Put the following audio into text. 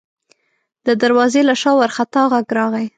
د دروازې له شا وارخطا غږ راغی: